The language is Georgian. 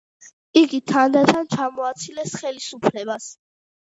იგი თანდათან ჩამოაცილეს ხელისუფლებას.